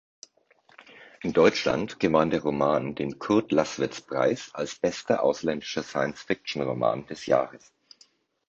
In Deutschland gewann der Roman den Kurd-Laßwitz-Preis als bester ausländischer Science-Fiction-Roman des Jahres.